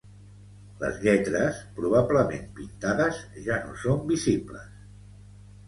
Les lletres, probablement pintades, ja no són visibles.